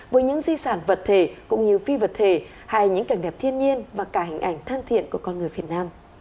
với những di sản vật thể cũng như phi vật thể hay những cảnh đẹp thiên nhiên và cả hình ảnh thân thiện của con người việt nam